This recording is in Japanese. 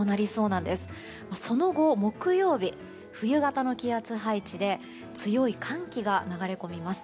その後、木曜日は冬型の気圧配置で強い寒気が流れ込みます。